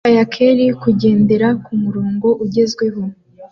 Kayacker kugendera kumurongo ugezweho